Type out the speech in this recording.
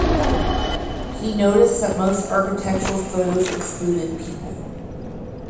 He noticed that most architectural photos excluded people.